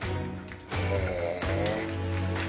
へえ！